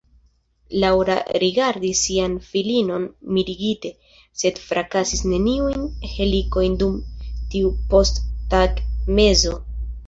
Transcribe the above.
Laŭra rigardis sian filinon mirigite, sed frakasis neniujn helikojn dum tiu posttagmezo.